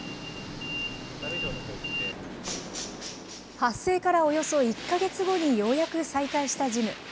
発生からおよそ１か月後にようやく再開したジム。